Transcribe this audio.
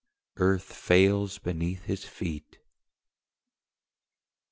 Earth fails beneath his feet.